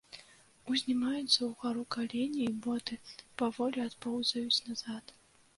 Узнімаюцца ўгару калені і боты, паволі адпоўзаюць назад.